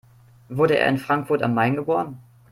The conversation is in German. Wurde er in Frankfurt am Main geboren?